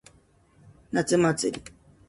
夏祭り。